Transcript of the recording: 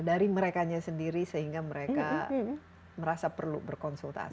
dari merekanya sendiri sehingga mereka merasa perlu berkonsultasi